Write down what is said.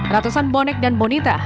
ratusan bonek dan bonita